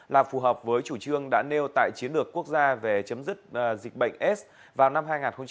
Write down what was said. là phù hợp với chủ trương đã nêu tại chiến lược quốc gia về chấm dứt dịch bệnh s vào năm hai nghìn ba mươi